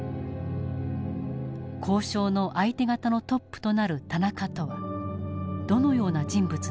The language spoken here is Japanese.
交渉の相手方のトップとなる田中とはどのような人物なのか。